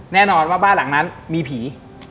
แน่นอนว่าบ้านหลังนั้นมีผี